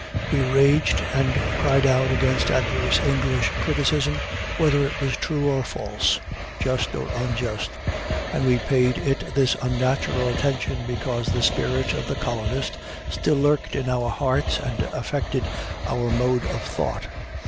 We raged and cried out against adverse English criticism, whether it was true or false, just or unjust, and we paid it this unnatural attention because the spirit of the colonist still lurked in our hearts and affected our mode of thought.